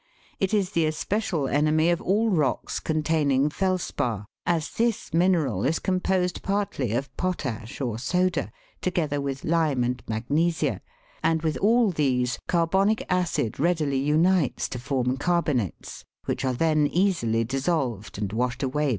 It is the especial enemy of all rocks containing felspar, as this mineral is composed partly of potash or soda, together with lime and magnesia, and with all these carbonic acid readily unites to form carbonates, which are then easily dissolved and washed away by the rain.